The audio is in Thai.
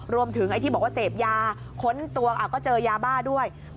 ไอ้ที่บอกว่าเสพยาค้นตัวก็เจอยาบ้าด้วย